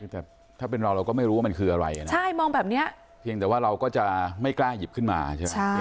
แต่ถ้าเป็นเราเราก็ไม่รู้ว่ามันคืออะไรนะใช่มองแบบนี้เพียงแต่ว่าเราก็จะไม่กล้าหยิบขึ้นมาใช่ไหม